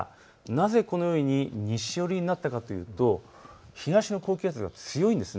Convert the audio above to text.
なぜこのように西寄りになったかというと東の高気圧が強いんです。